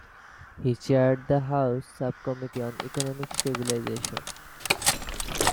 He chaired the House Subcommittee on Economic Stabilization.